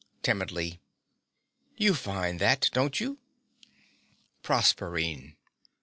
(Timidly.) You find that, don't you? PROSERPINE.